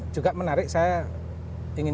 juga menarik saya ingin